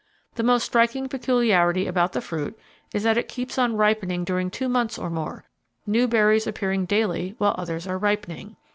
The most striking peculiarity about the fruit is that it keeps on ripening during two months or more, new berries appearing daily while others are ripening.